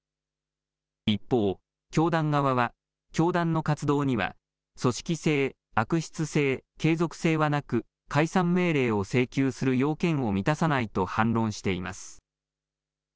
一方、教団側は教団の活動には組織性、悪質性、継続性はなく解散命令を請求する要件を満たさないと反論しています。